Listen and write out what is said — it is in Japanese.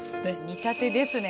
見立てですね。